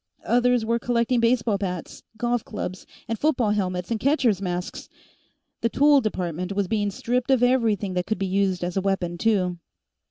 Others were collecting baseball bats, golf clubs, and football helmets and catchers' masks. The Tool Department was being stripped of everything that could be used as a weapon, too.